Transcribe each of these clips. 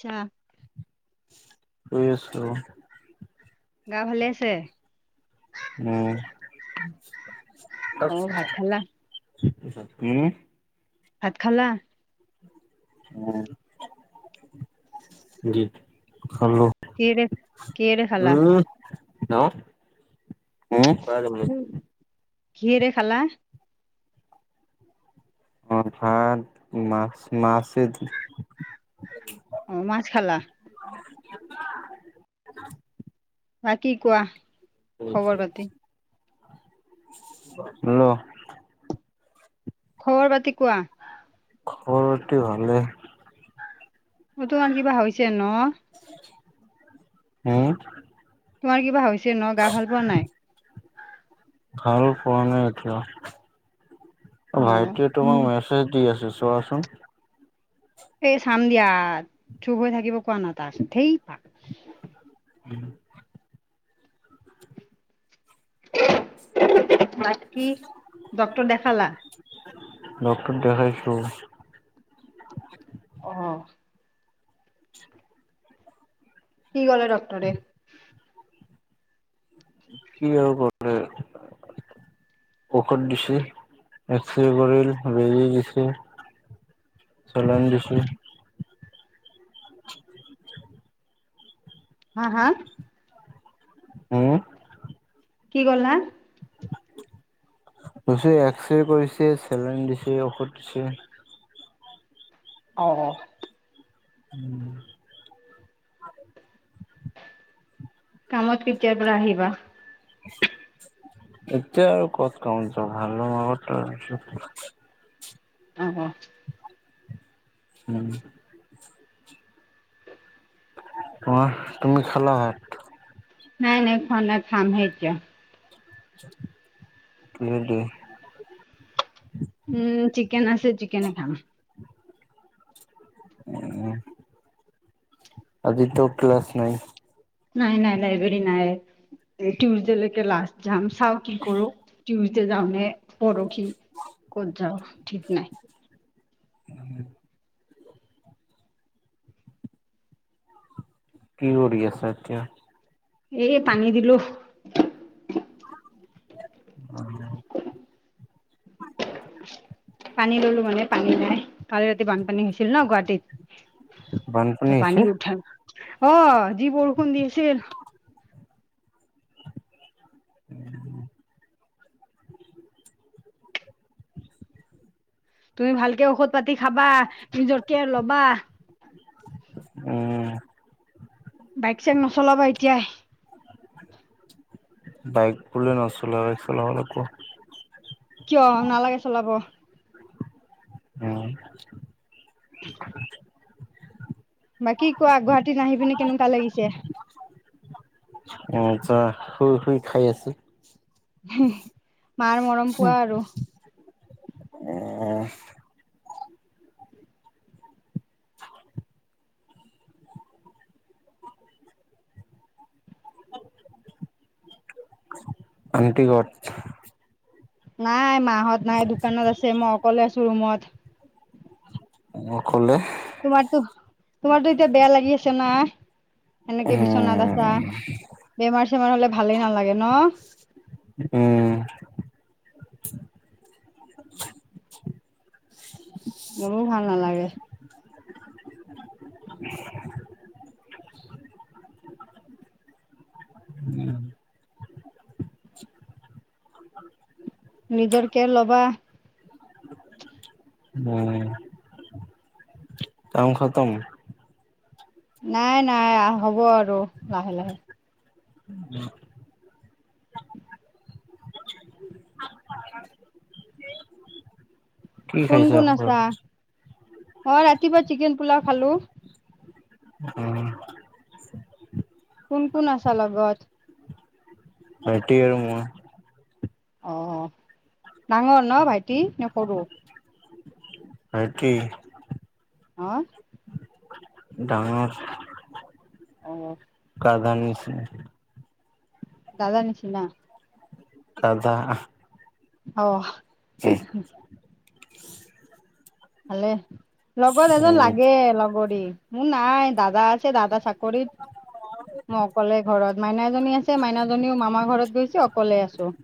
ছা শুই আছো। গা ভালে আছে? উম, অ ভাত খালা উম? ভাত খালা? উম, [unintelligible] খালো। কিহেৰে কিহেৰে খালা উম [unintelligible] কিহেৰে খালা? ভাত, মা মাছে দি। অ মাছ খালা। বাকি কোৱা? খবৰ পাতি হেল্ল' খবৰ পাতি কোৱা? খবৰ পাতি ভালে। অ ত কাৰান কিবা হৈছে ন? হম? তোমাৰ কিবা হৈছে ন? গা ভাল পোৱা নাই? ভাল পোৱা নাই অ এতিয়া। ভাইটিয়ে উম তোমাক মেচ চেচ দি আছে, চোৱাচোন। এই চাম দিয়া, চুব হৈ থাকিব কোৱা না তাক। ধেই পাক উম। বাকী ডক্তৰক দেখালা? ডক্তৰক দেখাইছো। অ। কি কলে ডক্তটৰে? কি আৰু পলে ঔখদ দিছে। এক্সৰে কৰিল, বেজী দিছে। চলইন দিছে। [unintelligible] হা হা? হম। কি কলা? [unintelligible] এক্সৰে কৰিছে, চেলইন দিছে, ঔষধ দিছে। অ, অ। উম। কামত কেতিয়াৰ পৰা আহিবা? এতিয়া আৰু কত কামত যাম [unintelligible] [unintelligible] অ, অ উম। অম, তুমি খালা ভাত? নাই নাই, খোৱা নাই। খাম হে এতিয়া। কিহে দি? উম চিকেন আছে, চিকেনে খাম। উম। আজি টো ক্লাছ নাই। নাই নাই লাইব্ৰেৰী নাই টউজডে লৈকে লাষ্ট যাম চাও কি কৰো। তিইউছদে যাম নে পৰখি ক'ত যাওঁ ঠিক নাই। উম। কি কৰি আছা এতিয়া। এই পানী দিলো। অ'। পানী ললো মানে পানী নাই কালি ৰাতি বানপানী হৈছিল ন গুৱাহাটীত। ত বানপানী পানী হৈছে উঠা অ যি বৰষোন দিচিল উম। তুমি ভালকে ঔষধ পাতি খাবা নিজৰকে লবা। উম। বাইক চাইক নচলাবা এতিয়াই। বাইক বুলিলে নচল বাইক চলাব লাগো। কিয় নালাগে চলাব। অ'। বাকী কোৱা গুৱাহাটীত নাহি পিনি কেনুকুৱা লাগিছে? অ', আচ্ছা শুই শুই খাই আছোঁ। [unintelligible] মাৰ মৰম পোৱা আৰু। [unintelligible] [inaudible] আণ্টি ক'ত? নাই মাহঁত নাই দোকানত আছে ম অকলে আছোঁ ৰুমত। অকলে তোমাৰতো তোমাৰতো এতিয়া বেয়া লাগি আছে না? সেনেকে বিচনাত উম আছা বেমাৰ চেমাৰ হ'লে ভালেই নালাগে ন? উম উম। মোৰো ভাল নালাগে। নিজৰ কেয়াৰ ল'বা। উম। কাম খতম? নাই নাই আ, হ'ব আৰু লাহে লাহে। [inaudible] [unintelligible] কোন কোন আছা? অ', ৰাতিপুৱা চিকেন পোলাও খালোঁ। অ'। কোন কোন আছা লগত? ভাইটি আৰু মই। অ', ডাঙৰ ন ভাইটি নে সৰু? ভাইটি? অ'। ডাঙৰ। অ'। কাৰ কাৰ নিছে? দাদা নিছিনা? দাদা আস অ'। [unintelligible] ভালে লগত এজন উম লাগে লগৰী মোৰ নাই দাদা আছে দাদা চাক কৰিত ম অকলে ঘৰত মাইনা এজনী আছে মাইনাজনীও মামা ঘৰত গৈছে অকলে আছোঁ। [unintelligible]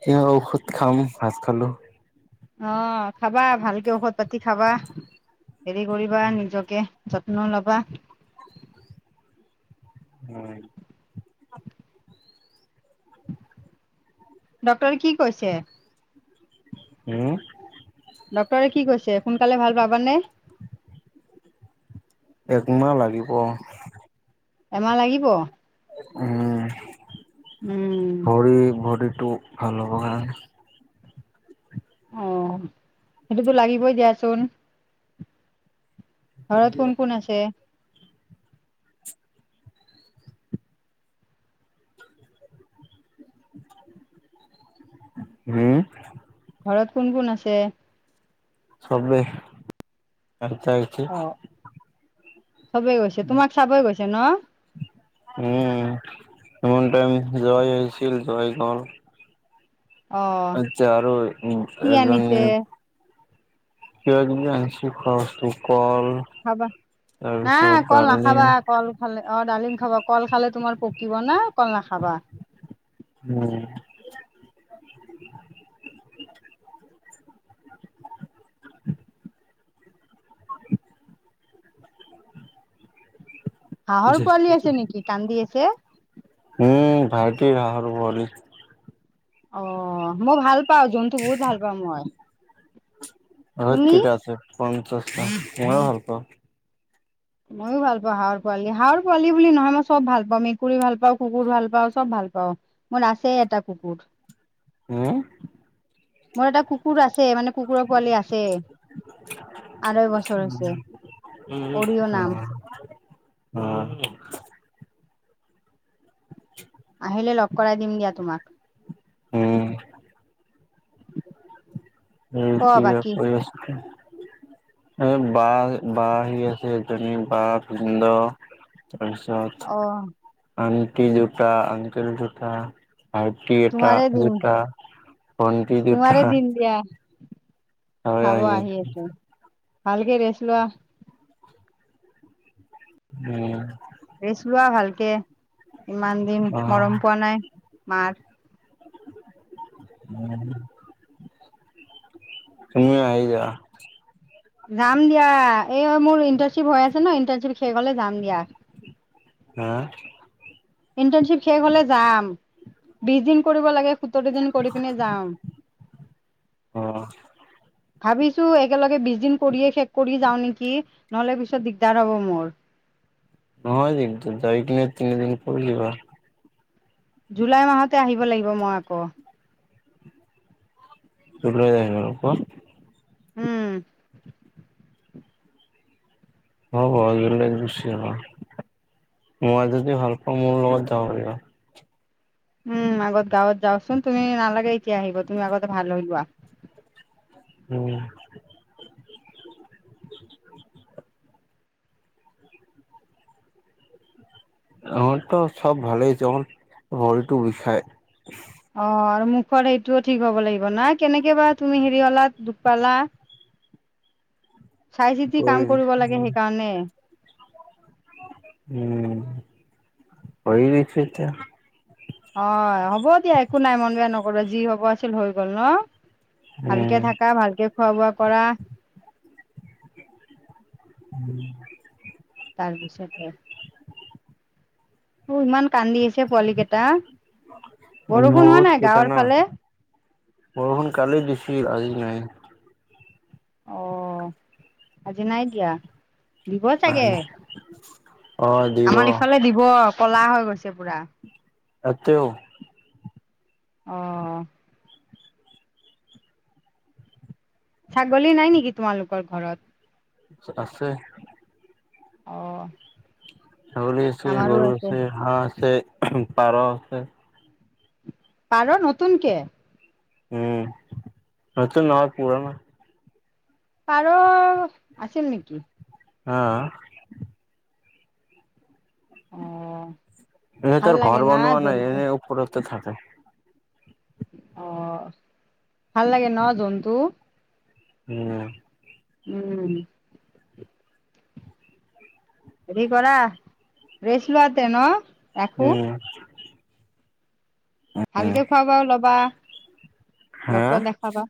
তিয়া ঔষধ খাম ভাজ খালোঁ। অ', খাবা ভালকে ঔষধ পাতি খাবা হেৰি কৰিবা নিজকে যত্ন ল'বা। হয়। [inaudible] ডক্টৰ কি কৈছে? হুম? ডক্টৰে কি কৈছে সোনকালে ভাল পাবানে? একমাহ লাগিব। এমাহ লাগিব। উম। উম ভৰি ভৰিটো ভাল হ'ব কাৰণে। অ', সেইটোতো লাগিবই দিয়াচোন। ঘৰত কোন কোন আছে? হুম। ঘৰত কোন কোন আছে? চবে [unintelligible] অ চবেই গৈছে তোমাক চাব গৈছে ন? উম। ইমান টাইম জুৱাই হৈছিল জুৱাই গ'ল। অ আচ্ছা আৰু উ কি এজনী আনিছে কিবা কিবি আনিছে খোৱা বস্তু কল। খাবা তাৰপিছত নাই কল দালি নাখাবা। ক'ল খালে অ ডালিম খাবা ক'ল খালে তোমাৰ পকিব না কল নাখাবা। উম। হাঁহৰ পোৱালি আছে নেকি? কান্দি আছে। উম ভাইটিৰ হাহঁৰ পোৱালি। অ', মই ভাল পাওঁ জন্তু বহুত ভাল পাওঁ মই। অ', তুমি ঠিকে আছে পঞ্চাছ ত ময়ো ভাল পাওঁ। ময়ো ভাল পাওঁ হাঁহৰ পোৱালি। হাঁহৰ পোৱালি বুলি নহয় মই চব ভাল পাওঁ মেকুৰী ভাল পাওঁ কুকুৰ ভাল পাওঁ চব ভাল পাওঁ। মোৰ আছেই এটা কুকুৰ। হুম। মোৰ এটা কু কুকুৰ আছেই মানে, কুকুৰৰ পোৱালি আছেই। আঢ়ৈ বছৰ হৈছে। উম অৰিঅ নাম উম। আহিলে লগ কৰাই দিম দিয়া তোমাক। উম ক কিবা বাকী কৰি আছা। [unintelligible] এ বা বা আহি আছে এজনী বা ভিন্দ তাৰপিছত অ'। আনটি দুটা আংকেল দুটা। ভাইটি এটা তোমাৰে দিন দুটা ভণ্টি দুটা। তোমাৰে দিন দিয়া খাব আহি আছেঁ। ভালকে ৰেছ লোৱা। উম। ৰেচ লোৱা ভালকে ইমান দিন মৰম পোৱা নাই মাৰ উম। তুমিওঁ আহি যোৱা। যাম দিয়া এই মোৰ ইণ্টাৰ্নশ্বিপ হৈ আছে ন' ইণ্টাৰ্ণশ্বিপ শেষ হ'লে যাম দিয়া। হা। ইণ্টাৰণশ্বিপ শেষ হলে যাম। বিশ দিন কৰিব লাগে। সোতৰ দিন কৰি পিনে যাম। অ', ভাবিছো একেলগে বিশ দিন কৰিয়ে শেষ কৰি যাওঁ নেকি নহ'লে পিছত দিগদাৰ হব মোৰ। নহয় দিগদাৰ যায় কিনে তিনিদিন কৰি দিবা। জুলাই মাহতে আহিব লাগিব মই আকৌ। জুলাইত আহিবা আকৌ। উম। [unintelligible] গুচি যাব, মই যদি ভাল পাওঁ, মোৰ লগত যাব পাৰিবা। উম, আগত গাঁৱত যাওচোন, তুমি নালাগে এতিয়া আহিব, তুমি আগতে ভাল হৈ লোৱা। উম। আমাৰতো চব ভালেই আছে, অকন ভৰিটো বিষাই। অ', আৰু মুখৰ সেইটোও ঠিক হ'ব লাগিব ন, কেনেকে বা তুমি হেৰি হলা দুখ পালা? চাই চিতি কাম ভৰি কৰিব লাগে সেইকাৰণে। উম, ভৰি বিষটো এতিয়া অ', হ'ব দিয়া, একো নাই মন বেয়া নকৰবা, যি হ'ব আছিল হৈ গ'ল ন? ভালকে থাকা, ভালকে খোৱা বোৱা কৰা। উম। তাৰপিছতে অ', ইমান কান্দি আছে পোৱালি কেইটা, উম বৰষুণ হোৱা বহুত নাই কেইটা গাঁৱৰ না ফালে? বৰষুণ কালি দিছিল, আজি নাই। অ', আজি নাই দিয়া। দিব চাগে, অ দিব আমাৰ ইফালে দিব কলা হৈ গৈছে পুৰা। আতেওঁ। অ', অ' ছাগলী নাই নেকি তোমালোকৰ ঘৰত? চ আছে। অহ। ছাগলী আছে, গৰু আছে, হাঁহ আছে, পাৰ আছে। পাৰ নতুনকে। উম, নতুন আৰু পুৰণা। পাৰ, আছিল নেকি? অ'। অ'। ভাল এনেতেৰ লাগে ঘৰ না বনোৱা নাই, জন্তু এনেই ওপৰতে থাকে। অ', ভাল লাগে ন, জন্তু। উম। উম। হেৰি কৰা, ৰেষ্ট লোৱাতে ন ৰাখো। উম হা ডক্টৰ দেখাবা,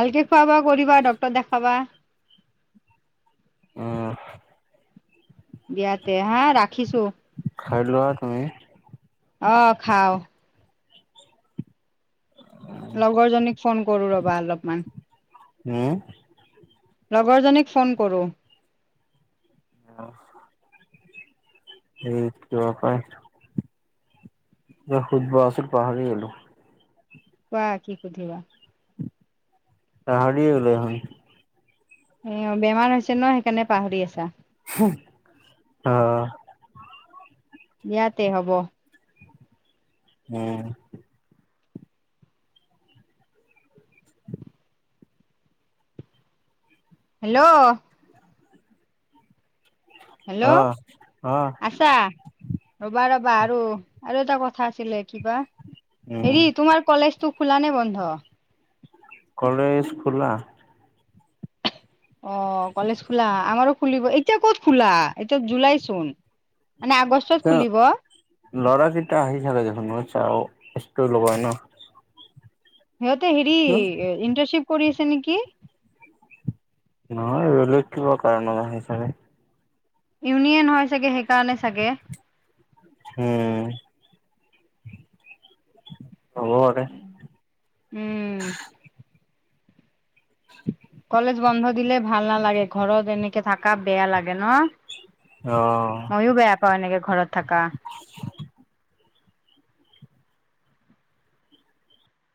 ভালকে খোৱা বোৱা কৰিবা, ডক্টৰ দেখাবা। উম। দিয়া তে হা, ৰাখিছো। খাইলোৱা তুমি। অ', খাও। লগৰজনীক ফোন কৰোঁ ৰ'বা, অলপমান। উম? লগৰজনীক ফোন কৰোঁ। অ', [unintelligible] কিবা সুধব আচিল, পাহাৰি গলো। কোৱা, কি সুধিবা। পাহৰিয়ে গ'লো দেখোন। অ', বেমাৰ হৈছে ন, সেইকাৰণে পাহৰি আছা। অহ। ইয়াতে হ'ব। অঁ। হেল্ল। হেল্ল' আহ আহ আছা? ৰবা ৰবা আৰু আৰু এটা কথা আছিলে কিবা, উম হেৰি তোমাৰ কলেজটোক খোলা নে বন্ধ? কলেজ খোলা। অ' কলেজ খোলা আমাৰো খুলিব, এতিয়া ক'ত খোলা এতিয়া জুলাই চোন। মানে আগষ্টত খুলিব। ল'ৰা কেইটা আহি থাকে দেখোন মই চাওঁ ষ্টোৰী লগাই ন। সিহঁতে হেৰি কিয় এ ইণ্টাৰনশ্বিপ কৰি আছে নেকি? নহয়, বেলেগ কিবা কাৰণত আহে চাগে। ইউনিয়ন হয় চাগে সেইকাৰণে চাগে? উম' হব দে। উম'। কলেজ বন্ধ দিলে ভাল নালাগে, ঘৰত এনেকে থাকা বেয়া লাগে ন। অঁহ। মইয়ো বেয়া পাওঁ এনেকে ঘৰত থাকা।